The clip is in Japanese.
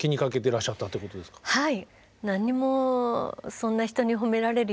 はい。